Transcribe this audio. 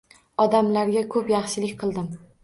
Odamlarga ko‘p yaxshilik qildim.